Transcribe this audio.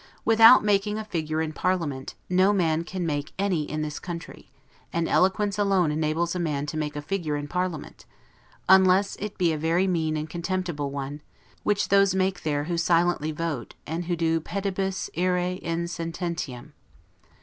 Without making a figure in parliament, no man can make any in this country; and eloquence alone enables a man to make a figure in parliament, unless, it be a very mean and contemptible one, which those make there who silently vote, and who do 'pedibus ire in sententiam'.